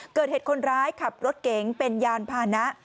เกิดเหตุคนร้ายขับรถเก๋งเป็นยานพานะ